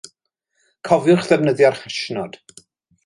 Cofiwch ddefnyddio'r hashnod.